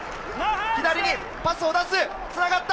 左にパスを出す、つながった！